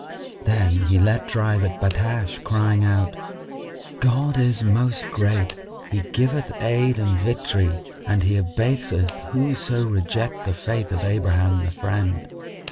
Then he let drive at Battash, crying out, "God is Most Great! He giveth aid and victory and He abaseth whoso reject the Faith of Abraham the Friend!"